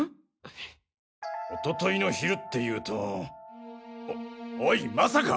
おとといの昼っていうとおおいまさか。